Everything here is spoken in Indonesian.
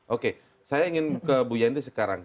oke saya ingin ke bu yanti sekarang